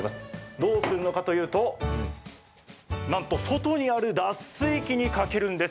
どうするのかというとなんと外にある脱水機にかけるんです。